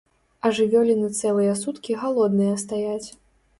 А жывёліны цэлыя суткі галодныя стаяць.